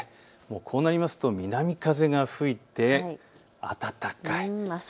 こうなりますと南風が吹いて暖かい。